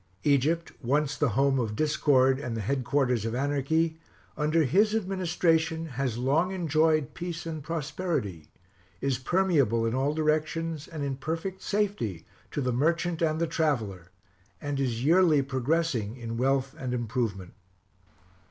Egypt, once the home of discord and the headquarters of anarchy, under his administration has long enjoyed peace and prosperity; is permeable in all directions, and in perfect safety to the merchant and the traveler, and is yearly progressing in wealth and improvement.